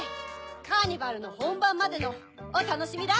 カーニバルのほんばんまでのおたのしみだ！